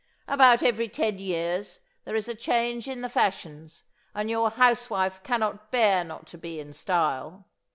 About every ten years there is a change in the fashions and your housewife cannot bear not to be in style.